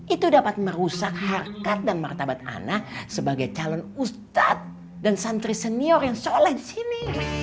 itu dapat merusak harkat dan martabat anak sebagai calon ustadz dan santri senior yang soleh di sini